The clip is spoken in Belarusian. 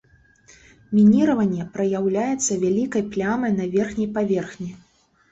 Мініраванне праяўляецца вялікай плямай на верхняй паверхні.